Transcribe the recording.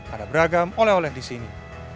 ada beragam oleh oleh di sini